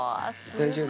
大丈夫？